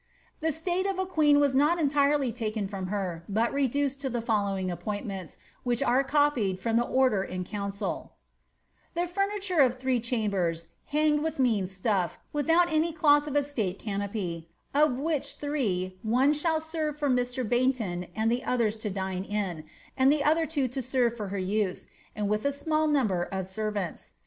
The state of a queen was not yet entirely taken from her, but i to the following appointments, which are copied from the o: council :—'' The furniture of three chambers, hanged with mean stufff without ui of estate (canopy), of which three, one shall serve for Mr. Baynton otliers to dine in, and the other two to serve for her use, and with a small of servants.